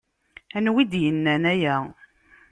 Anwa i d-yennan aya?